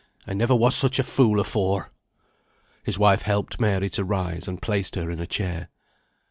I never was such a fool afore." His wife helped Mary to rise, and placed her in a chair.